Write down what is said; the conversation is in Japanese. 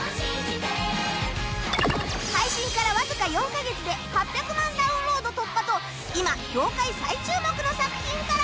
配信からわずか４カ月で８００万ダウンロード突破と今業界最注目の作品から